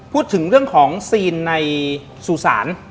พูดถึงเรื่องของซีนในสู่ศาล